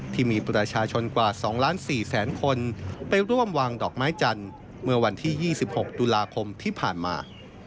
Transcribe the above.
ที่มีประชาชนกว่า๒ล้าน๔แสนคนไปร่วมวางดอกไม้จันทร์เมื่อวันที่๒๖ตุลาคมที่ผ่านมา